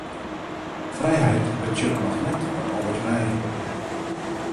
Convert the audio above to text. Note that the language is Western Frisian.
Frijheid betsjut noch net dat alles mei.